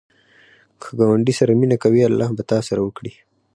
که ګاونډي سره مینه کوې، الله به تا سره وکړي